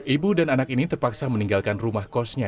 ibu dan anak ini terpaksa meninggalkan rumah kosnya